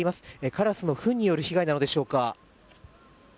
カラスのふんによる被害なのでしょうか。